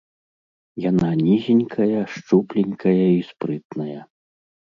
Яна нізенькая, шчупленькая і спрытная.